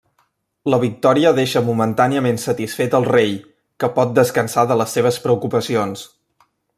La victòria deixa momentàniament satisfet al rei, que pot descansar de les seves preocupacions.